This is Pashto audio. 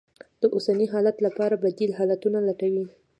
د اوسني حالت لپاره بدي ل حالتونه لټوي.